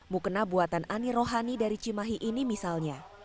mukena buatan ani rohani dari cimahi ini misalnya